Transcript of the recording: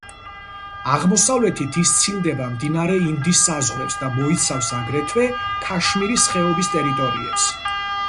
აღმოსავლეთით ის სცილდება მდინარე ინდის საზღვრებს და მოიცავს, აგრეთვე, ქაშმირის ხეობის ტერიტორიებს.